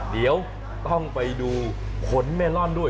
เดี๋ยวต้องไปดูขนเมลอนด้วย